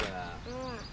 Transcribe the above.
うん。